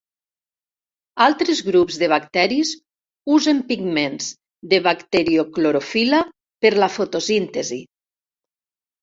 Altres grups de bacteris usen pigments de bacterioclorofil·la per la fotosíntesi.